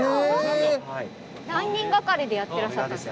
何人がかりでやってらっしゃったんですか？